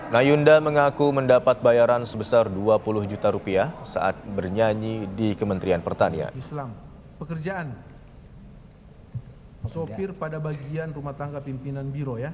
nayunda mengaku mendapat bayaran sebesar dua puluh juta rupiah saat bernyanyi di kementerian pertanian